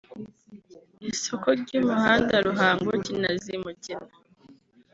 isoko ry’umuhanda Ruhango-Kinazi-Mugina